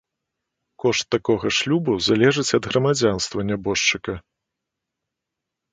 Кошт такога шлюбу залежыць ад грамадзянства нябожчыка.